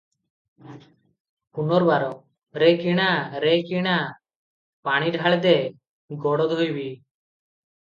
ପୁନର୍ବାର - "ରେ କିଣା, ରେ କିଣା! ପାଣି ଢାଳେ ଦେ" ଗୋଡ ଧୋଇବି ।